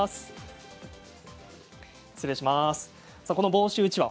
この房州うちわ